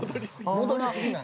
戻り過ぎない。